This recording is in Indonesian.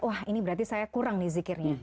wah ini berarti saya kurang nih zikirnya